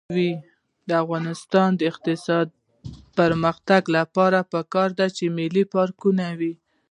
د افغانستان د اقتصادي پرمختګ لپاره پکار ده چې ملي پارکونه وي.